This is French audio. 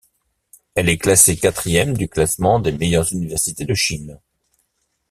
Elle est classée quatrième du classement des meilleures universités de Chine.